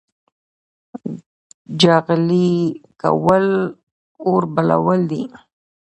چغلي کول اور بلول دي